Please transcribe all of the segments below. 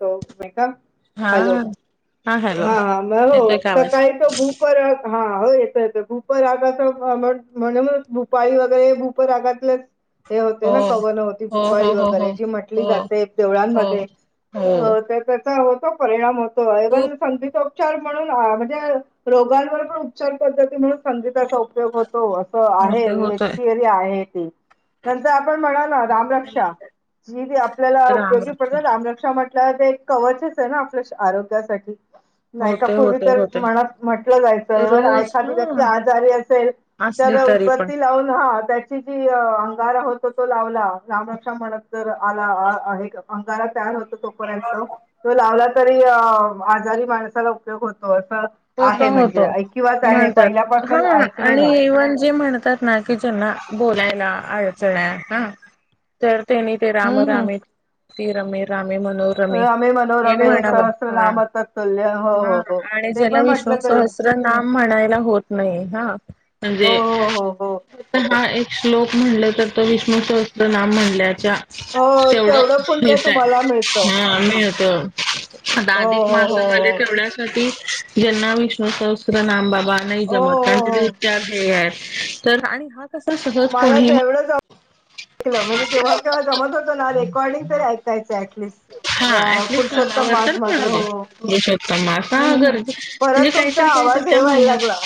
त मेकम हा हॅलो. हा म हो येतोय का आवाज सकाळी त भू पर हा. हो येत येत भूपरागाच म्हण म भुपाळी वगैरे भूपरागातलं. हे होते हो ना कवन होती हो हो भुपाळी हो वगैरे हो जी म्हटली हो जाते हो देवळांमध्ये. हो अ तर त्याचा होतो परिणाम होतो खूप वन. पचार म्हणून म्हणजे रोगांवर पण उपचार पद्ध म्हणून. उपयोग होतो अस होतय होतय आहेिरी आहे ती नर. म्हणा ना रामक्षा जी आपल्याला राम उपयोगी राम पडते रामरक्षा म्हट. कवचेच आहे ना आपल्या आरोग्यासाठी. होतय नायकापूर्वी होतय तर होतय मनात म्हटलं जायचं ए व रोज एखादी व्यक्ती ह आजारी असेल. असली त्याला तरी पण उत्पत्ती लावून हा त्या. अंगारा होत तो लावला रामक्षा म्हणत आला अंगारा तयार हो. तोपर्यंत तो लावला तरी आजारी माणसाला उपयोग होतो. असं होत आहे म्हणजे होतो ऐकिवात आहे म्हणतात हा पहिल्यापासून ऐकलेलं आणि आहे. इवन जे म्हणतात ना की ज्यांना. बोलायला अडचण हा तर त्यांनी ते राम हम्म हम्म. राम ती रम. रामी मनोरमी रमे हे मनोरमे म्हणा हा सहस्रनाम तत्तुल्य हो हो हा हो आणि. ते पण ज्याला विष्णू म्हटलं तरी सहस्त्र नाम म्हणायला होत नाही हा हो म्हणजे. हो हो हो हा एक श्लोक म्हणल तर त विष्णू सहस्त नाम म्हणल्याच्या. हो तेवढं पुण्य मितय. तुम्हाला मिळतं. हा मिीळत आता हो अधिक हो हो हो मासामध्येझ ठेवण्यासाठी. ज्यांना विष्णू सहस्त्र नामबाबा नाही हो जमत कारण हो त्याचे हो उच्चार हेध्येय आहेत. तर आणि हा. कसा सहज मला कोणीही जेवढं ऐकलं म्हणजे जेव्हाव्हा जमत होतं ना रेकॉर्डिंग ऐकायचं ऍटलिस्ट हा अ पुरुषोत्तम ऍटलिस्टवर तर मास मध्ये हो पत पुुषोत्तमग असा हम्म हम्म. गरज म्हणजे परत तुमचा काहीतरी काही आवाज हे त्याम व्हायला यत लागला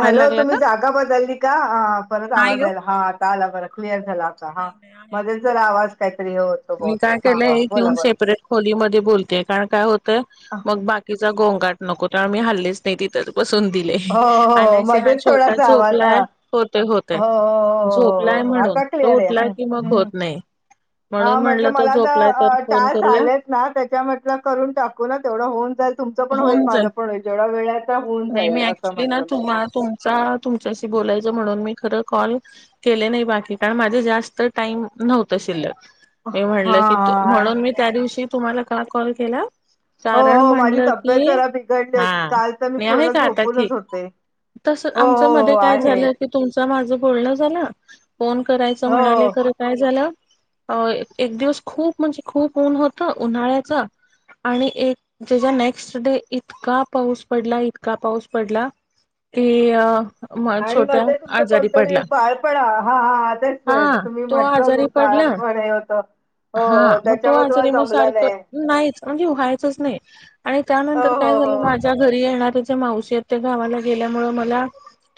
हॅलो तुम्ही जागा बदलली का परत नाही आवाज ओ यायला हा आता आला बर क्लिअर हा मध्येच जर आवाज काहीतरी होतो मी बते हा हा बोला बोला बोलते कारण काय होतंय हो मग बाकीचा गोंंगट नको कारण मी हल्लेच नाही तिथ बून दिले हो आण हो हा मध्येच छोटा थोडासा आवाज झोपला हा. होत होत हो हो हो झोप हो हो हो. म्हणून आता तो उठला की मग होत नाही हा म्हणून म्हटलं म्हणलं तो मला झोपलाय तर फोन टास करूया आलेत ना त्याच्यामटलं करून टाकू ना तेवढं होऊन जाईल तुमच पण होईल होऊन जाईल. माझं पण होईल जेवढ्या वेळ आता होऊन नाही जाईल मी असं ऍक्च्युली ना म्हंटलं म तुम्हा तुमचा तुमच्याशी म्हणून मी खर कॉल के नाही बाकी कारण माझे जास्त टाईम नव्हत शिल्लक मी म्हणलं की हां. म्हणून मी त्या दिवशी तुम्हाला का कॉल केला हो, कारण हो. माझी म्हणलं तब्येत की जरा बिघडली हा होती. काल तर मी आहे पूर्ण का आता झोपूनच ठीक होते. तस हो, आमच्या हो, मध्ये हो. काय आहे. झालं की तुमच माझ बोलणं फोन करायच हो, म्हणाले हो. खर काय झालं अ एक दिवस खूप म्हणजे खूप ऊन होत उन्हाळ्याच आणि एक ज्याच्या नेक्स्ट डे इतका पाऊस पडला इतका पाऊस पडला अ अ आणि मध्ये तुमचं कोणतरी बाळपणा हा ह तेच हा तुम्ही तो म्हटलं आजारी होत पडला बाळात पण हे होत हा मग तो आजारी मग सारखं नाहीच म्हणजे व्हायचंच नाही आणि हो, त्यानंतर हो, काय हो. झालं माझ्या घरी येणार मावशी त्या गावाला गेल्यामुळे मला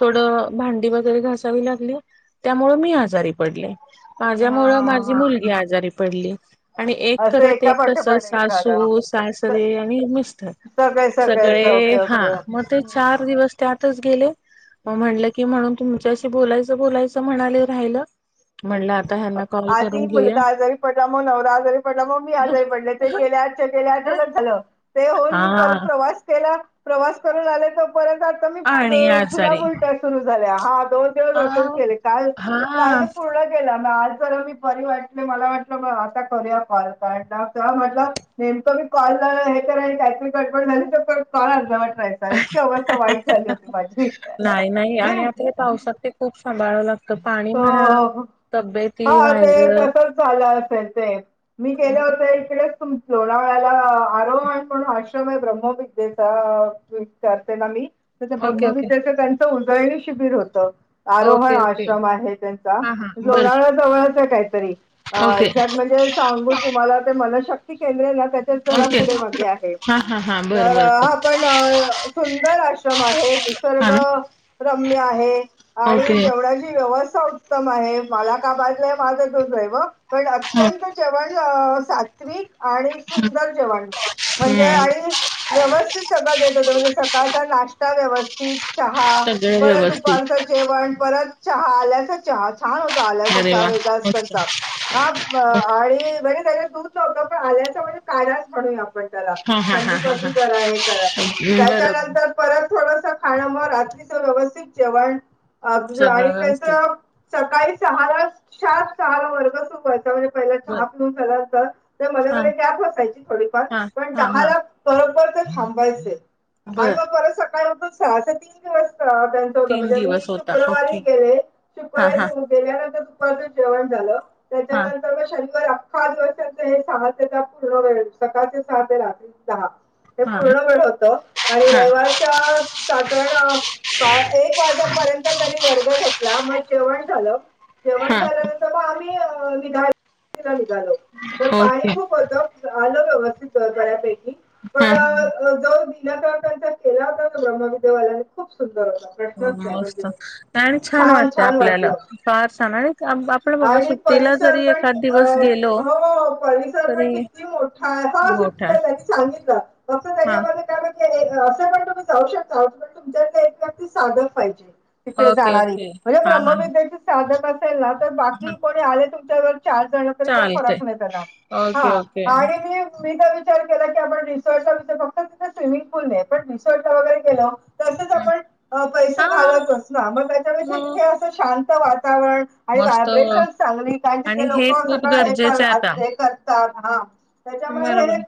थोड भांडी वगैरे घसावी लागली मी आजारी पडले माझ्या हां, मुळ हां, माझी हां. मुलगी आजारी पडली आणि एक असं करत एका एक कस पाठोपाठ एक झालं. सासू सासरे आणि मिस्टर सगळे सगळेच सगळे ओके हा ओके. म ते चार दिवस त्यातच गेले म्हटलं की म्हणून तुमच्याशी बोलायचं बोलायचं म्हणाले राहिलं म्हणलं आता ह्यांना कॉल आ करून ती घेऊया मुलग आजारी पडला मग नवरा आजारी पडला मग मी आजारी पडले ते केल्या केल्या ठ झाल ते होऊन मी हा परत प्रवास केला प्रवास करून आले तर परत आता मी आणि आजारी जुलाब उलट्या सुरू झाल्या हा दोन दिष केले काल काल हा तर पूर्ण केला आज जरा मी बरी वाटते मला म्हटलं आता करूया म्हट नेमं कॉलरा टॅक्री कट झाली की य इतक्या वर्ष वाईट झाली होती माझी सांभाळवं लागतं पाणी हो म्हणा हो तब्येती हा ते व्हायरल तसच झालं असेल ते मी गेले होते इकडेच तुम लोन वेळाला आरोहण पणून विदेते ना मी त्या ओके ओके ब्रविद उदरणी शिबिर होत आरोहण ओके ओके लो हा हा बर जव काहीतरीझ ओके म्हणजे सांगू तुमला मनशक्ती केंद्र ना त्याच्या जरा ओके पुढे मागे आहे हा हा हा बर तर बर बर हा पण सुंदर आश्रम आहे हा निसर्ग ना रम्य आहे आणि ओके जेवढ क उत्तम आहे मला का बाजय माझ दोन पण अत्यंत जेवन अ सात्विक आणि सुंदर जेवण म्हणजे हम्म आणि व्यवस्थित सगळं देत होत म्हणजे काचा नाश्ता व्यवस्थित चहा सगळं परत व्यवस्थित दुपारचं जेवण परत चहा आलायचा चहा छान होत अरे आल्याचा वा वेगळा अस मस्त त्यांचा हा आणि वर त आल्याच म्हणजे काढाच म्हणूया आप हा हा हा थंडी पासून ज आहे बरं त्याच्यानंतर परत थोड रात्रीच व्यवस्थित जेवण ते त्यांचं सकाळी सहाार सात सहाार वर्ग सोबत प बर चहा पिऊन झांतर मध म हा गॅप असयची थोडीफार हा पण हा हा दहाला थांय आणि मग बर सकाळ सहाच्या तीन वाजता त्यांचं होतं तीन म्हणजे मी दिवस होता शुक्रवारी ओके हा हा शुारी गेल्यानंतरप जेवण झालं हा त्याच्यांतर म अख्खा दिवसांचं हे सहा ते द पूर्ण वेळ सकाळचे सहा ते रात्री दहा हे हा पूर्णपण होत आणि हा रविवारच्या साधारण बा एक वाजेपर्यंत त्यांनी वर्ग घेतला मग जेवण झालं जेवण हा झाल्यानंतर मग आम्ही निधा निघालो पण पाणी ओके ख ब आल व्यवस्थितब आहे हम् हम तर त्यांचा केला होता तर ब्रह्मविदवाल्याने खूप सुंदर होता प्रश्नच नाही म्हणजे मस्त आणि छान वाटते छान आपल्याला वाटलं फार छान आणि आपण बघा आणि सुट्टीला परिसर जरी पण एखाद दिवस गेलो अ हो परिसर पण तरी किती मोठा आहे हो मोठा सुटला त्यानी सांगितलं फक्त हा त्याच्यामध्ये काय असं पण तुम्ही जाऊ शकताण तुमच्या एक व्यक्ती साधं पाहिजे ओके जाणारी ओके म्हणजे हा हा ब्रमविद्या साधक असेल ना तर हा बाकी कोणी आले तुमच्यावर चार जण तरी का चालतय फरक नाही त्यांना ओके हा ओके आणि मी विचार केला क आपण रिसॉर्टचा विचार फक्त तिथे स्विमिंगूल नाही पण रिसॉर्ट ला वगैरेलो तसेच आपण पैसे हा घालतच ना मग मग त्याच्यापेथे असं शांत वा वातावरण आणि मस्त व्हायब्रेशन आणि चांगली कारण क ते लोक हे खूप सकाळ हे गरजेचं आहे आता असतात हा त्याच्यामुळे बरोबर हेरट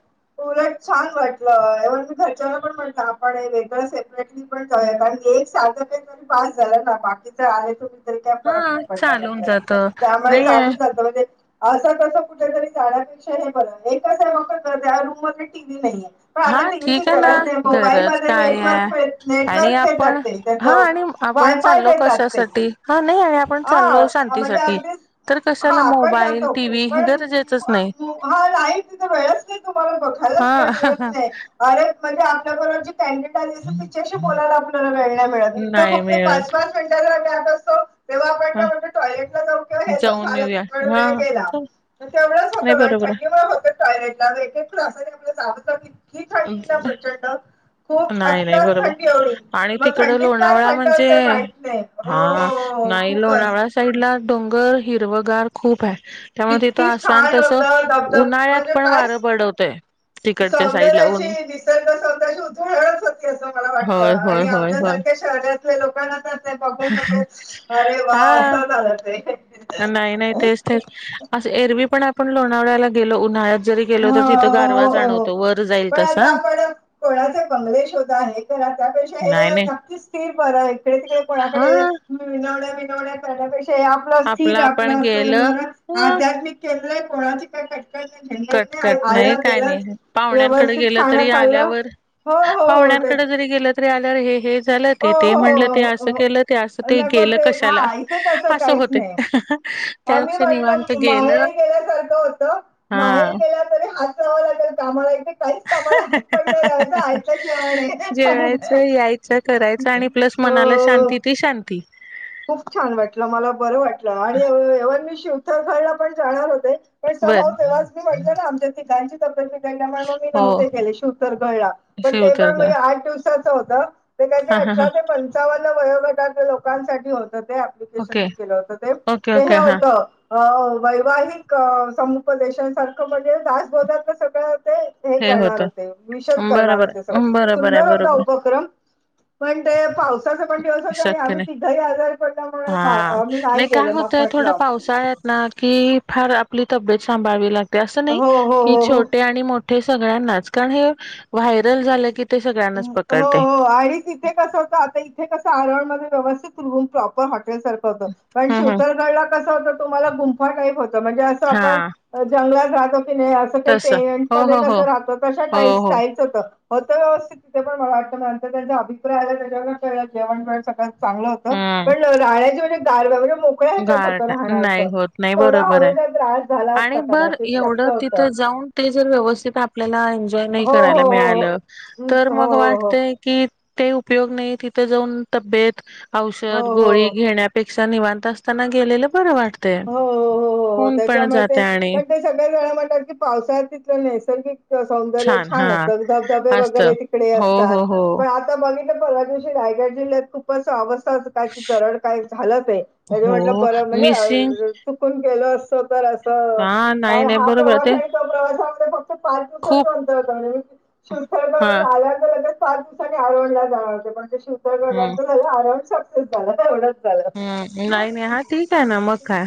छान वाटलं एव्हन मी घरच्याला पण म्हणत आपण वेगळं सेपरेटली पण कारणी एक साधक आहे तरी पास झालं ना बाकीच आहे तु का फरक हा नाही पडला चालून म्हणजे जात त्यामुळे नाही आहे चालूत म्हणजे असं तसं कुठेतरी जाण्यापेक्षा हे बरं एकच आहे ब या रूम मध टीव्ही नाहीये पण आता हा टीव्हीची ठीक आहे ना गरज नाही मोबाईल गरज मध्ये काय आहे नेटवर्क आणि नेटवर्क तेेतात आपण ते त्याच हा आणि आपण वायफाय चालो देतात ते कशासाठी हा नाही आहे हा म्हणजे अगदीच कशाला हा पण मोबाईल जातो टी व्ही पण गरजेचच नाही हा नाही तिथ वेळच नाही तुम्हाला बघ हा अरे म्हणजे आपल्याबरोर जे कडडेट आली अस तिच्याशी बोलायला आपल्यालाळ नाही फक् पाच मिळत पाच मिनट तेव्हा आपण ह काय म्हणतो टॉयलेटला जाऊ कव्हा हे जाऊ जाऊन झालं येऊया तितक हा वेळ केला तेवढंच होत नाही बरोबर थंडीमुळे होत टॉयलेटला एक त आप अ खूप नाही नाही आत्ताच बरोबर थंडी एवढी आणि मग तिकडं थंडीत काय लोणावळा थंड म्हणजे असेल माहित नाही हो हा हो हो नाही खूपच लोणावळ्या साईड ला डोंगर हिरवगार खूप आहे त्यामुळे किती तिथं असता आणि छान तसं होतं धबधब उन्हाळ्यात म्हणजे पण काय वारं बडवतंय सौंदर्याची निसर्ग सौंद तू हळत होती असं मला वाटलं होय होय आणि होय होय आमच्यासारख्या शहरात लोकांना तर नाही बघून म्हटले अरे वा हा असं झालं ते नाही नाही तेच तेच असं एरवी पण आपण लोणावळ्याला गेलो उन्हाळ्यात जरी गेलो तर हा हो तिथं गारवा हो जाणवतो वर जाईल तसा कोणाच श हे करा त्यापेक्षा नाही नाही नथिर ब इकडे तिकडे हा कोणाकडे. ववड्या आप स्थिर आपलं आपण आपला असेल गेलं बर ह आध्यामिक केंद्र. कोणाची काय कटकट नाही झंझट कटकट नाही आलं काय गेलं नाही पाहुण्यांकडे. व्यवस्थित गे तरी खाणं खाल्लं आल्यावर हो हो हो ते पाहण्याकडे जरी गेलं तरी आल्यावर हे. झा ते हो ते म्हणलं हो ते हो अस हो हो. केलं ते अस ते गेलं कशाला असं होते. आ मी त्यापेक्षा निवांत म्हटलं गेलं माहेरी गेल्यासारखो. बाहेर हा के तरी हात लागेल काम्हाला. जेवण आहे जेवायचं यायचं करायचं. आणि प्लस मनाला हो शांती ती शांती. खूप छान वाटलं मला बरं वाटलं आणि एव मी शिवथरखळला पण जाणार होते. पण सव भााव बर तेव्हाच मी म्हटते ना आमच्या त गाची तब्य. त्यां मग मी हो नव्हते केले शू तर घळला पण ते पण शिवदुर्ग म आठ दिवसाच होत. ते त्याचे हा हा हा अठरा ते पंचावन्न वयोगटक लोकांसाठी होते. ते प्लिकेशन ओके मी केलं होत ते ओके ते ओके हे हा होत. अ वैवाहिक समुपदेशांसारखं म्हणजे दासबोधातलं सगळ्या. ते हे करणार होते विषद करणार बरोबर होते सगळं आहे बरोबर आहे सुंदर होता बरोबर आहे. उपक्रम. पण ते पावसाचा पण दिवसाच आहे शक्य आम्ही नाही तिथ हा नाही काय गेले मग होतय थोड म्हटलं. पावसाळ्यात ना. कि फार आपली तब्येत सांभाळवी लागते असं नाही हो हो की हो हो छोटे आणि मोठ हे सगळ्यांनाच कारण हे व्हायरल झालं की ते सगळ्यांनाच हो पकडते हो आणिच इथे कस होत आता इथे कस आरवळण मध्ये व्यवस्थित. प्रॉपर हॉटेल सारखं होत पण हम् हम शिवतरगडला कस होत तुम्हाला गुंफार काही. म्हणे अस आपण हा जंगलात राहो. नाही असं का तस टेंट हो मध्ये हो कस हो राहत त हो हो साईलच होत होत व्यवस्थित. ति पण मला वाटत नाहींतर त्यांचा अभिप्राय आला त्याच्यावर जेण वेळ सगळ्यां. चांगलं होत हम्म पण राहण्याच्या एक दारव्यावर. मोकळ्याच्यात होत गारट राहणं नाही अस होत नाही थोडं बरोबर आहे हवेचा त्रास झाला असता कदाचित शक्य होत. जा ते जर व्यवस्थित. आपल्याला एन्जॉय नाही हो करायला हो हो हो मिळालं हम्म, तर हो मग हो हो वाटतय की. ते उपयोग नाही तिथे जाऊन तब्येत हो औषध हो गोळी हो. घेण्यापेक्षा निवांत असत. त्यांना गेलेलं बरं वाटतं. हो हो हो त्याच्यामुळे ते आणि पण ते सगळ्या झा म्हण. पावसाळ तिथलं नैसर्गिक सौंदर्य छान असतं धबधबे असत वगैरे तिकडे हो हो असतात हो पण आताित. परला दिवशी रायगड जिल्ह्यात खूपचवस् र का झा त्या म्हट हो बर मिसिंग म्हणजे चुून गेल. क तर असं. हा नाही कारण नाही हा बरोबर प्रवास ते आणि तो प्रवासामध्ये फक्त फार खूप दिवसाच अंतर होता म्हण शुद्थर. हा अलग अलग. पाच दिवसांनी आरवंड ला जाणारते म्हणजे हम्म शिवतरगड झालं आरावड सक्सेस झाला एवढं. हम्म नाही नाही हा ठीक आहे ना मग काय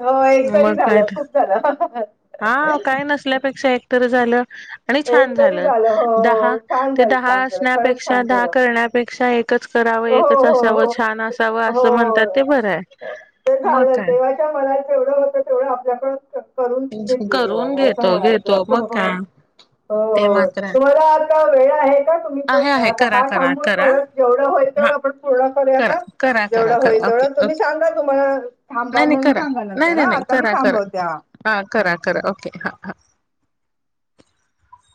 हो एकतरी मग काय झालं खूप झालं. हा काय नसल्यापेक्षा एकतरी झालं. आणि एक छान तरी झालं दहा हो छान ते झालं दहा छान झालं खरंच असण्यापेक्षा छान दहा झालं करण्यापेक्षा एक. एकच करावं हो एकच असावं हो हो छान असावं असं हो म्हणतात ते बरं आहे. ते मग झालं काय देवाच्या मनात जेवढं होतं तेवढं आपल्याकडचत. करून घेतलं करून देवाने असं घेतो म्हणायचं घेतो हो मग काय ते हो मात्र आहे तुम्हाला. वेळ आहे का तुम्ही आहे पण आहे आता करा करा हात ांबून करा परत जेवढं होईल. हा. करा करा जेवढ करा होईल करा तेवढ ओके तुम्ही ओके सांगा तुम्हाला थां नाही नाही म्हणून करा सांगा नाही नर नाही आ. नाही आ् करा करा थांबवत्या. हा करा करा ओके हा हा